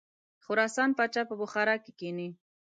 د خراسان پاچا په بخارا کې کښیني.